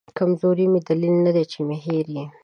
کمزوري مې دلیل ندی چې مې هېر یې